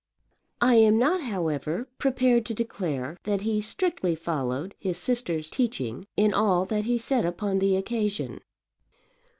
I am not, however, prepared to declare that he strictly followed his sister's teaching in all that he said upon the occasion.